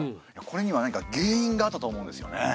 これには何か原因があったと思うんですよね。